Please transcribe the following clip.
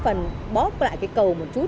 phần bóp lại cái cầu một chút